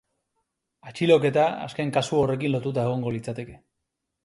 Atxiloketa azken kasu horrekin lotuta egongo litzateke.